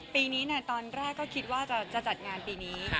ปีนี้ตอนแรกก็คิดว่าจะจัดงานปีนี้